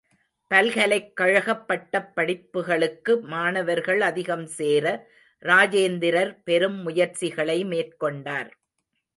பல்கலைக் கழகப் பட்டப் படிப்புகளுக்கு மாணவர்கள் அதிகம் சேர ராஜேந்திரர் பெரும் முயற்சிகளை மேற்கொண்டார்.